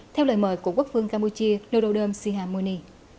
theo lời mời của quốc phương campuchia notre dame sihamuni